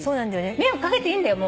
迷惑かけていいんだよ